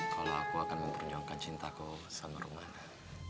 kalau aku akan memperjuangkan cintaku sama rumahnya